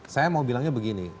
saya mau bilangnya begini